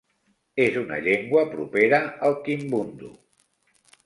És una llengua propera al kimbundu.